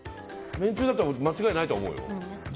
めんつゆだと間違いないと思うよ。